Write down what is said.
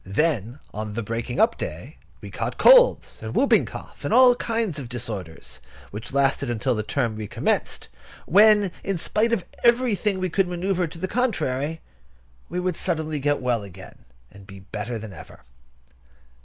Then, on the breaking up day, we caught colds, and whooping cough, and all kinds of disorders, which lasted till the term recommenced; when, in spite of everything we could manœuvre to the contrary, we would get suddenly well again, and be better than ever.